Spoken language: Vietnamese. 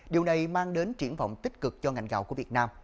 điều này mang đến triển vọng tích cực cho ngành gạo của việt nam